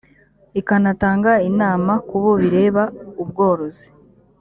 ikanatanga inama kubo bireba ubworozi